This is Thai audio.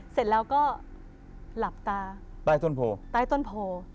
เสร็จแล้วก็หลับตาตายต้นโพ